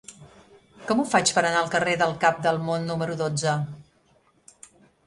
Com ho faig per anar al carrer del Cap del Món número dotze?